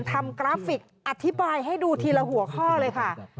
กราฟิกอธิบายให้ดูทีละหัวข้อเลยค่ะ